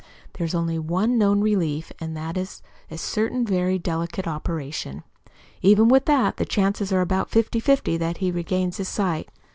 There is only one known relief, and that is a certain very delicate operation. Even with that, the chances are about fifty fifty that he regains his sight."